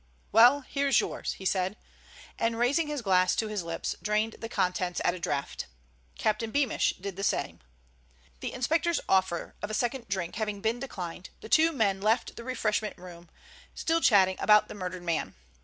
"Well, here's yours," he said, and raising his glass to his lips, drained the contents at a draught. Captain Beamish did the same. The inspector's offer of a second drink having been declined, the two men left the refreshment room, still chatting about the murdered man.